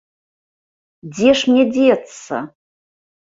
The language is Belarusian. Дзе ж мне дзецца?